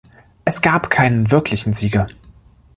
Es gab keinen wirklichen Sieger.